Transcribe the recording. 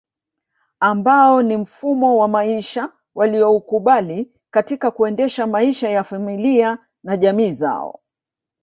Ambao ni mfumo wa maisha walioukubali katika kuendesha maisha ya familia na jamii zao